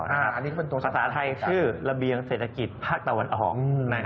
อันนี้ก็เป็นตัวสำหรับผมใช่ไหมครับภาษาไทยชื่อระเบียงเศรษฐกิจผ้าตะวันออก